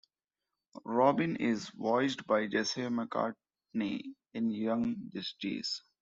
Robin is voiced by Jesse McCartney in "Young Justice".